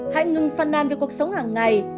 hãy ngừng phân nàn về cuộc sống hàng ngày